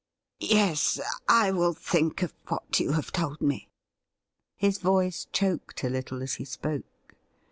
' Yes ; I will think of what you have told me.' His voice choked a little as he spoke.